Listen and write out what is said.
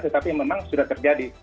tetapi memang sudah terjadi